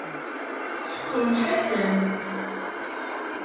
Ḥeqren Ḥasan.